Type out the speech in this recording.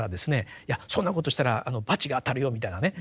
いやそんなことしたら罰が当たるよみたいなね